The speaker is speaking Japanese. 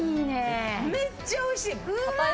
めっちゃおいしい。